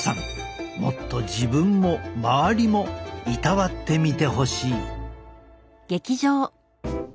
もっと自分も周りもいたわってみてほしい。